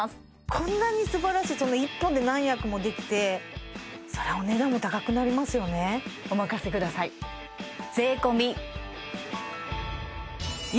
こんなにすばらしいその１本で何役もできてそりゃお値段も高くなりますよねお任せくださいおっ！